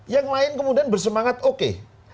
yang lain kemudian bersemangat oke